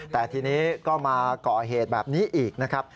แต่ทีนี้ก็มาก่อเหตุแบบนี้อีกนะครับ